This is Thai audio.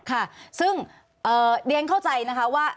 ค่ะซึ่งเรียนเข้าใจนะคะว่า